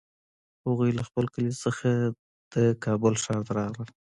هغوی له خپل کلي څخه د کابل ښار ته راغلل